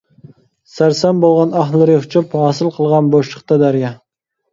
سەرسان بولغان ئاھلىرى ئۇچۇپ، ھاسىل قىلغان بوشلۇقتا دەريا.